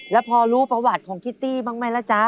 แล้วพอรู้ประวัติของคิตตี้บ้างไหมล่ะจ๊ะ